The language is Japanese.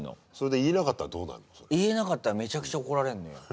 言えなかったらめちゃくちゃ怒られんのよ。